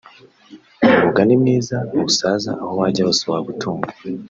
umwuga ni mwiza ntusaza aho wajya hose wagutunga